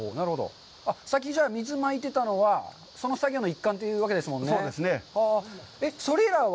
さっきじゃあ水まいてたのはその作業の一環というわけですもんね。